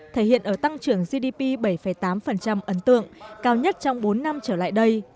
thể hiện ở tăng trưởng gdp bảy tám ấn tượng cao nhất trong bốn năm trở lại đây